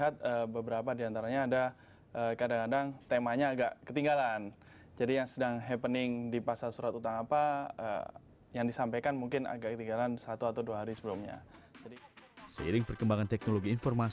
anda tidak bisa menjadi seperti semua orang lain